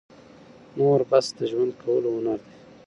نور بس د ژوند کولو هنر دى،